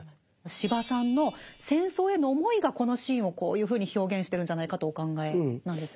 司馬さんの戦争への思いがこのシーンをこういうふうに表現してるんじゃないかとお考えなんですよね。